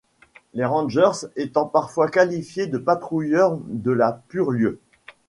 Les rangers étant parfois qualifiés de patrouilleurs de la purlieu.